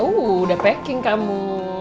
udah packing kamu